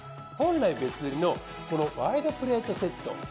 本来別売りのこのワイドプレートセット。